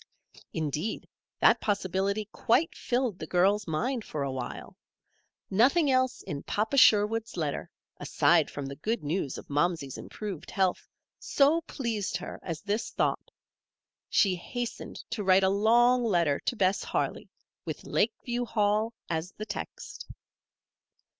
Indeed, that possibility quite filled the girl's mind for a while. Nothing else in Papa Sherwood's letter, aside from the good news of Momsey's improved health, so pleased her as this thought. She hastened to write a long letter to Bess Harley, with Lakeview Hall as the text.